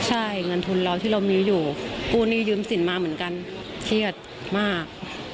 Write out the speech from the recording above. ใช่เงินทุนเราที่เรามีอยู่กู้หนี้ยืมสินมาเหมือนกันเครียดมาก